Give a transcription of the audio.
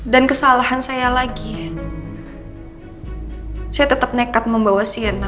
dan kesalahan saya lagi saya tetap nekat membawa sienna